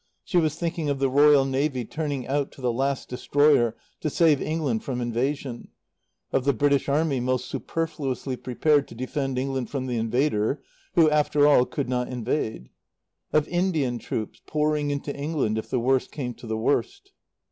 She was thinking of the Royal Navy turning out to the last destroyer to save England from invasion; of the British Army most superfluously prepared to defend England from the invader, who, after all, could not invade; of Indian troops pouring into England if the worst came to the worst.